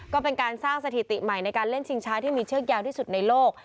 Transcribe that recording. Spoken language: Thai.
ก็เป็นการสร้างสถิติใหม่ในการเล่นชิงช้าที่มีเชือกยาวที่สุดในโลก